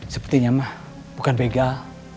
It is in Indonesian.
sepertinya mah bukan begal